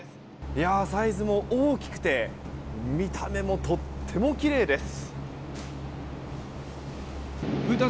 サイズも大きくて見た目もとてもきれいです。